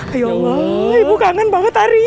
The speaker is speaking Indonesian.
ayo allah ibu kangen banget ari